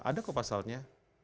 ada kok pasalnya